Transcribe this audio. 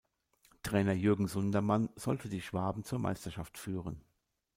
Trainer Jürgen Sundermann sollte die Schwaben zur Meisterschaft führen.